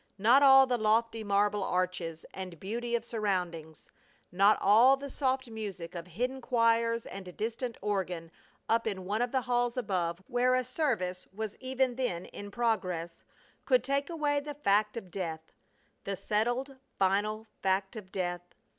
Not all the lofty marble arches, and beauty of surroundings, not all the soft music of hidden choirs and distant organ up in one of the halls above where a service was even then in progress, could take away the fact of death; the settled, final fact of death!